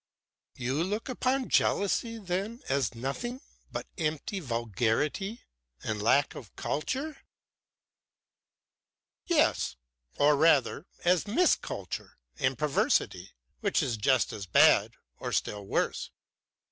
"You look upon jealousy, then, as nothing but empty vulgarity and lack of culture." "Yes, or rather as mis culture and perversity, which is just as bad or still worse.